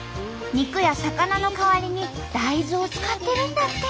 肉や魚の代わりに大豆を使ってるんだって。